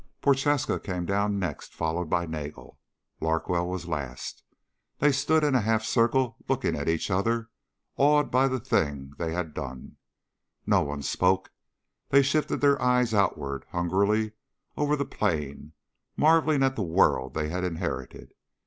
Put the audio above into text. Prochaska came down next, followed by Nagel. Larkwell was last. They stood in a half circle looking at each other, awed by the thing they had done. No one spoke. They shifted their eyes outward, hungrily over the plain, marveling at the world they had inherited.